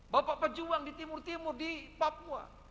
bapak pejuang di timur timur di papua